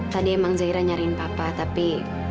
tadi emang zaira nyariin papa tapi